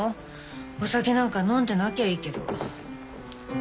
お酒なんか飲んでなきゃいいけど。